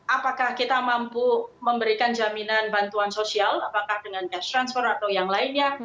apakah kita mampu memberikan jaminan bantuan sosial apakah dengan cash transfer atau yang lainnya